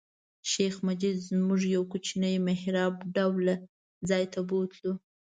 شیخ مجید موږ یو کوچني محراب ډوله ځای ته بوتلو.